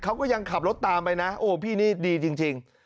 เขาก็ยังขับรถตามไปนะโอ้พี่นี่ดีจริง